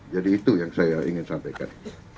jadi itu yang saya ingin sampaikan